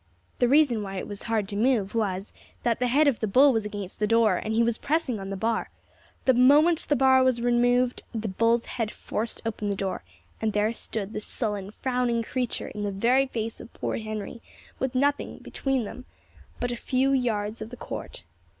The reason why it was hard to move was, that the head of the bull was against the door, and he was pressing it on the bar; the moment the bar was removed, the bull's head forced open the door, and there stood the sullen frowning creature in the very face of poor Henry, with nothing between them but a few yards of the court.